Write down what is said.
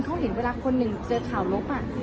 เขาเห็นเวลาคนหนึ่งเจอข่าวลบ